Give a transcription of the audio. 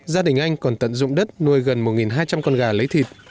gia đình anh còn tận dụng đất nuôi gần một hai trăm linh con gà lấy thịt